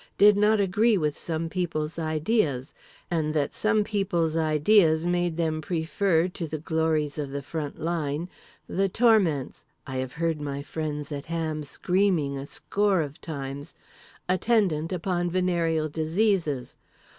did not agree with some people's ideas, and that some people's ideas made them prefer to the glories of the front line the torments (I have heard my friends at Ham screaming a score of times) attendant upon venereal diseases.